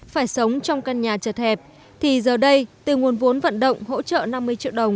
phải sống trong căn nhà chật hẹp thì giờ đây từ nguồn vốn vận động hỗ trợ năm mươi triệu đồng